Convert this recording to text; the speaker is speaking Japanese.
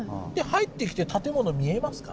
入ってきて建物見えますか？